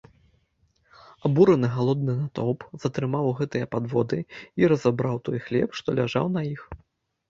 Абураны галодны натоўп затрымаў гэтыя падводы і разабраў той хлеб, што ляжаў на іх.